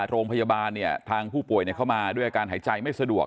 โรงพยาบาลทางผู้ป่วยเข้ามาด้วยอาการหายใจไม่สะดวก